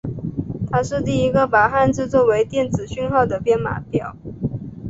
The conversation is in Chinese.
它是第一个把汉字化作电子讯号的编码表。